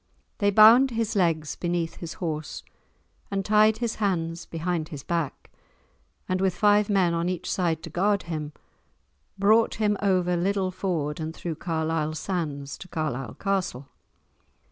They bound his legs beneath his horse, and tied his hands behind his back, and with five men on each side to guard him, brought him over Liddel ford and through Carlisle sands to Carlisle castle.